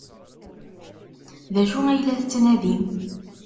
D acu ay la tettnadim?